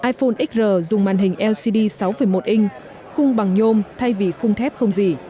iphone xr dùng màn hình lcd sáu một inch khung bằng nhôm thay vì khung thép không gì